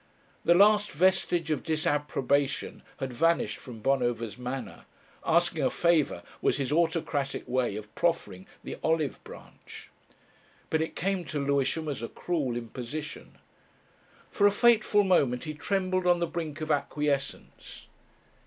The last vestige of disapprobation had vanished from Bonover's manner; asking a favour was his autocratic way of proffering the olive branch. But it came to Lewisham as a cruel imposition. For a fateful moment he trembled on the brink of acquiescence.